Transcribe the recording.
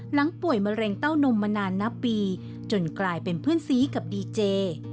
หลังป่วยมะเร็งเต้านมมานานนับปีจนกลายเป็นเพื่อนซีกับดีเจ